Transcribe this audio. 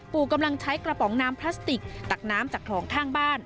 กำลังใช้กระป๋องน้ำพลาสติกตักน้ำจากคลองข้างบ้าน